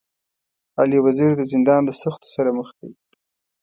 علي وزير د زندان د سختو سره مخ دی.